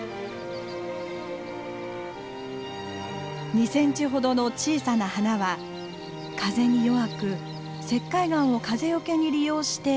２センチほどの小さな花は風に弱く石灰岩を風よけに利用して生きています。